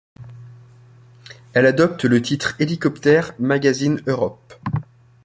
Elle adopte le titre Helicopter Magazine Europe.